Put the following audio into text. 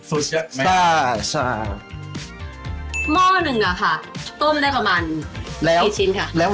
หม้อหนึ่งอะค่ะต้มได้ประมาณกี่ชิ้นคะ